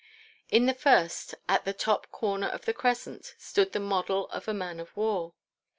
In the first, at the top corner of the crescent, stood the model of a man of war.